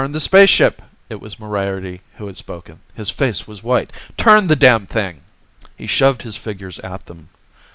"Turn the spaceship!" It was Moriarty who had spoken. His face was white. "Turn the damned thing!" He shoved his figures at them.